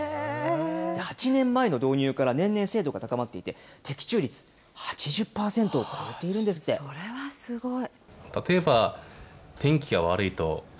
８年前の導入から年々精度が高まっていて、的中率８０％を超えてそれはすごい。